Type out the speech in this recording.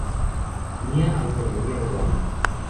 Tenía autonomía urbana.